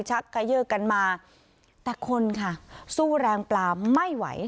กระเยอร์กันมาแต่คนค่ะสู้แรงปลาไม่ไหว